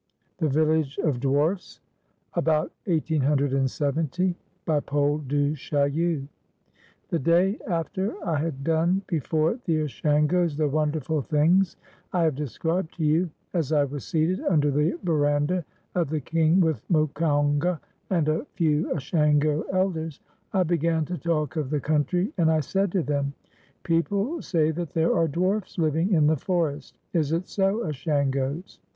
THE VILLAGE OF DWARFS [About 1870I BY PAUL DU CHAILLU The day after I had done before the Ashangos the won derful things I have described to you, as I was seated under the veranda of the king with Mokounga and a few Ashango elders, I began to talk of the country, and I said to them, "People say that there are dwarfs living in the forest. Is it so, Ashangos?